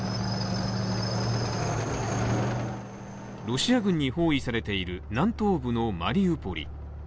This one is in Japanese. ロシア軍に包囲されている南東部のマリウポリ。